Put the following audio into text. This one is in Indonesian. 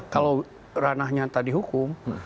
kalau ranahnya tadi hukum